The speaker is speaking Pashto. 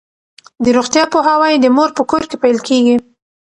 د روغتیا پوهاوی د مور په کور کې پیل کیږي.